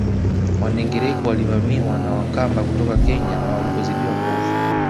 Wandengereko walivamiwa na Wakamba kutoka Kenya na walipozidiwa nguvu